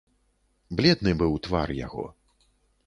Бледны быў твар яго.